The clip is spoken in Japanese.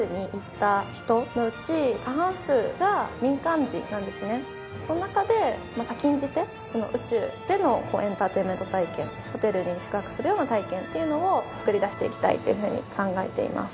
実はその中で先んじて宇宙でのエンターテインメント体験ホテルに宿泊するような体験っていうのを作り出していきたいというふうに考えています。